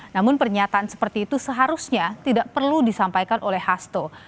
namun pernyataan seperti itu seharusnya tidak perlu disampaikan oleh hasto